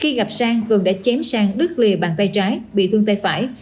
khi gặp sang vườn đã chém sang đứt lìa bàn tay trái bị thương tay phải